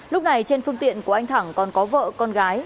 lúc này trên phương tiện của anh thẳng còn có vợ con gái